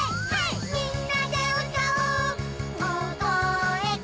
「みんなでうたおうおおごえで」